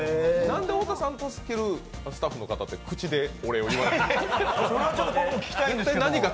なんで太田さん助けるスタッフの方って口でお礼を言わないんですか？